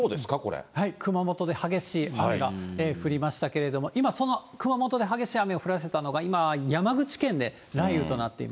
熊本で激しい雨が降りましたけれども、今、その熊本で激しい雨を降らせたのが、今、山口県で雷雨となってい